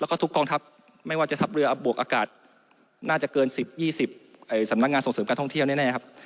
แล้วก็ทุกกองทัพไม่ว่าจะทัพเรืออับบวกอากาศน่าจะเกิน๑๐๒๐สำนักงานส่งเสริมการท่องเที่ยวแน่ครับ